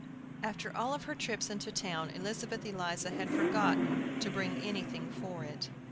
After all her trips into town Elizabeth Eliza had forgotten to bring anything for it.